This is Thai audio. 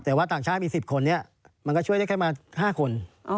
แต่ว่าต่างชาติมี๑๐คนนี้มันก็ช่วยได้แค่มา๕คน